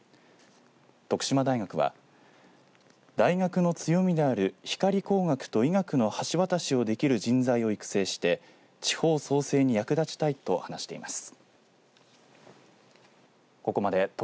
徳島大学は大学の強みである光工学と医学の橋渡しをできる人材を育成して地方創生に役立ちたいと話しています。